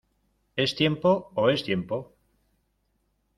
¡ Es tiempo! ¡ oh !¡ es tiempo !